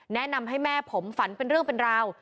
แนะนำให้แม่ผมฝันเป็นเรื่องเป็นราว